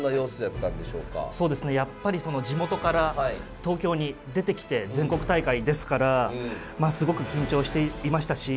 やっぱり地元から東京に出てきて全国大会ですからすごく緊張していましたし。